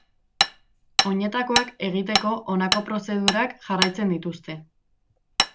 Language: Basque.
Oinetakoak egiteko honako prozedurak jarraitzen dituzte.